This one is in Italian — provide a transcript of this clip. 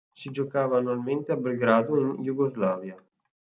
Si giocava annualmente a Belgrado in Yugoslavia.